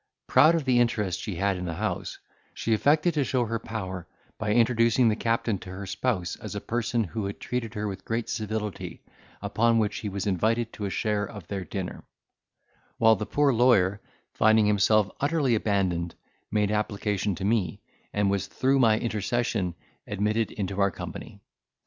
Proud of the interest she had in the house, she affected to show her power by introducing the captain to her spouse as a person who had treated her with great civility upon which he was invited to a share of their dinner; while the poor lawyer, finding himself utterly abandoned, made application to me, and was through my intercession admitted into our company.